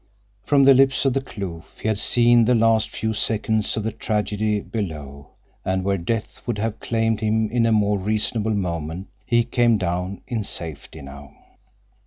From the lips of the kloof he had seen the last few seconds of the tragedy below, and where death would have claimed him in a more reasonable moment he came down in safety now.